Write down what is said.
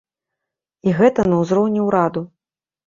І гэта на ўзроўні ўраду!